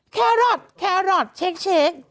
แครอทแครอทเช็ค